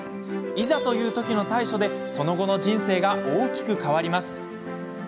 いざという時の対処でその後の人生が大きく変わります。